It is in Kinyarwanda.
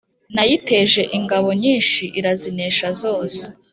Nayiteje ingabo nyinshi irazinesha zose,